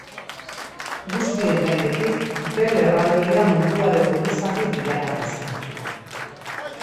Guztien gainetik Bel erraldoia munduaren buruzagi bilakatu zen.